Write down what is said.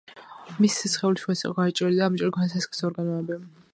მისი სხეული შუაზე იყო გადაჭრილი და ამოჭრილი ჰქონდა სასქესო ორგანოები.